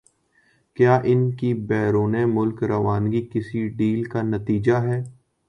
کیا ان کی بیرون ملک روانگی کسی ڈیل کا نتیجہ ہے؟